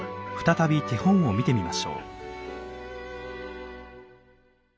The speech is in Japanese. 再び手本を見てみましょう。